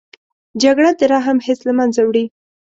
جګړه د رحم حس له منځه وړي